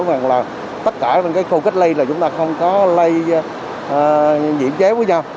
rằng là tất cả những cái khâu cách lây là chúng ta không có lây nhiễm chế với nhau